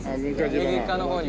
右側の方に。